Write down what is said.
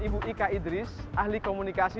ibu ika idris ahli komunikasi